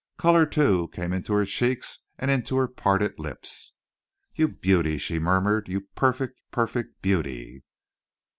Color, too, came into her cheeks and into her parted lips. "You beauty!" she murmured. "You perfect, perfect beauty!"